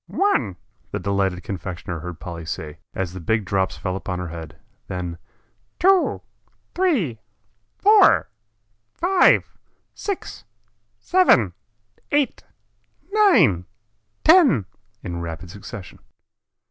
"One," the delighted confectioner heard Polly say, as the big drops fell upon her head, then "two, three, four, five, six, seven, eight, nine, ten," in rapid succession.